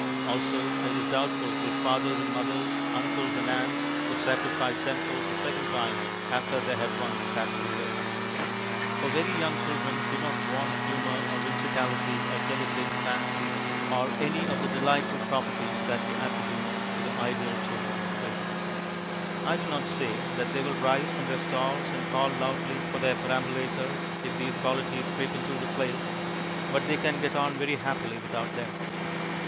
(Also it is doubtful if fathers and mothers, uncles and aunts, would sacrifice themselves a second time, after they had once sat through it.) For very young children do not want humour or whimsicality or delicate fancy or any of the delightful properties which we attribute to the ideal children's play. I do not say that they will rise from their stalls and call loudly for their perambulators, if these qualities creep into the play, but they can get on very happily without them.